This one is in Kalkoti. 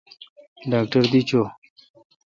ڈاکٹر دی چو۔